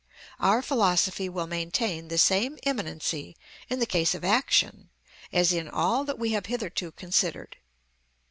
Our philosophy will maintain the same immanency in the case of action, as in all that we have hitherto considered.